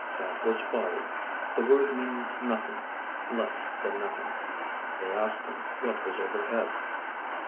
"That was folly. The word means nothing. Less than nothing!" They asked him what was overhead.